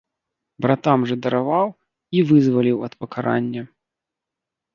Братам жа дараваў і вызваліў ад пакарання.